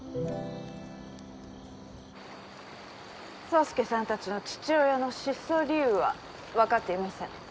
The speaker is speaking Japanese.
宗介さんたちの父親の失踪理由はわかっていません。